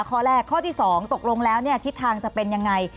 ข้อแรกข้อที่๒ตกลงแล้วทิศทางจะเป็นยังไง